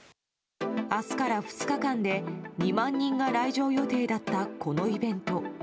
明日から２日間で２万人が来場予定だったこのイベント。